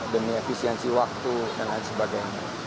demi efisiensi waktu dan lain sebagainya